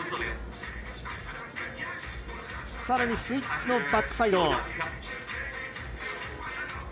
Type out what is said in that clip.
さらにスイッチのバックサイド。